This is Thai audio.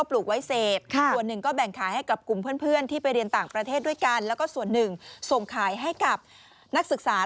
แล้วก็ส่วนหนึ่งส่งขายให้กับนักศึกษา